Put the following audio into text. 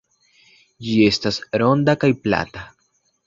Ĝi estas ronda kaj plata.